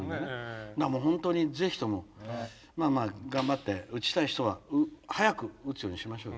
本当にぜひともまあまあ頑張って打ちたい人は早く打つようにしましょう。